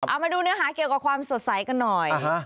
เอามาดูเนื้อหาเกี่ยวกับความสดใสกันหน่อย